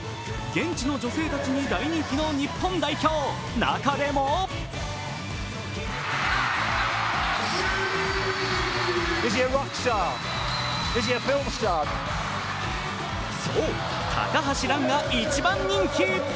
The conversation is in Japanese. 現地の女性たちに大人気の日本代表、中でもそう、高橋藍が一番人気。